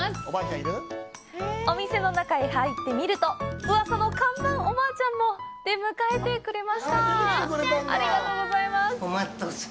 お店の中へ入ってみると、うわさの看板おばあちゃんも出迎えてくれえました。